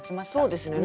そうですね。